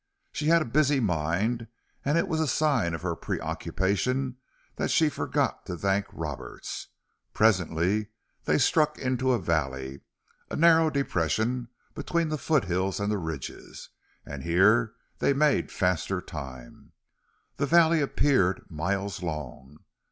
She had a busy mind, and it was a sign of her preoccupation that she forgot to thank Roberts. Presently they struck into a valley, a narrow depression between the foothills and the ridges, and here they made faster time. The valley appeared miles long.